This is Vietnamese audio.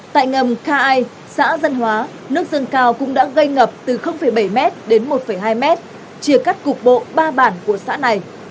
tại ngầm ca ai xã dân hóa nước dân cao cũng đã gây ngập từ bảy m đến một hai m chia cắt cục bộ ba bản của xã này